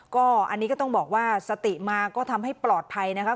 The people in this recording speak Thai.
ก็อันนี้ก็ต้องบอกว่าสติมาก็ทำให้ปลอดภัยนะครับ